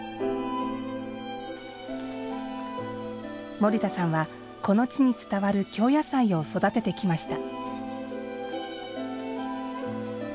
森田さんは、この地に伝わる京野菜を育ててきました。